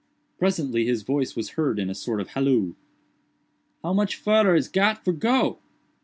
Presently his voice was heard in a sort of halloo. "How much fudder is got for go?"